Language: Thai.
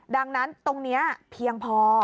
ดังนั้นตรงนี้เพียงพอ